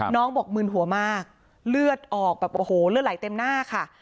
น้องบอกมึนหัวมากเลือดออกแบบโอ้โหเลือดไหลเต็มหน้าค่ะ